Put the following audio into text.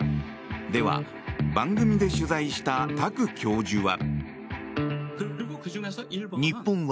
では、番組で取材したタク教授は。